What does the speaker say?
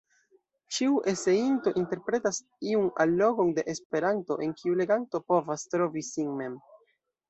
Ĉiu eseinto interpretas iun allogon de Esperanto, en kiu leganto povas trovi sin mem.